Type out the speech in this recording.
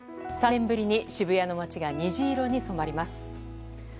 ３年ぶりに渋谷の街が虹色に染まります。